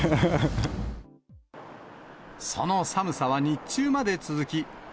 その寒さは日中まで続き。